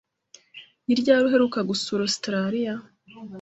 Ni ryari uheruka gusura Ositaraliya?